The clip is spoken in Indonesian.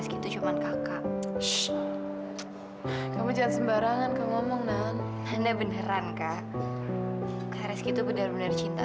sampai jumpa di video selanjutnya